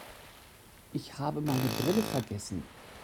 Ich habe meine Brille vergessen.